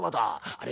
あれ？